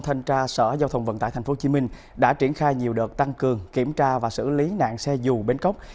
thanh tra sở giao thông vận tải tp hcm đã triển khai nhiều đợt tăng cường kiểm tra và xử lý nạn xe dù bến cốc